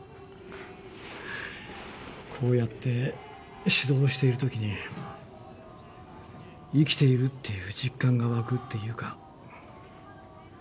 こうやって指導をしているときに生きているっていう実感が湧くっていうか。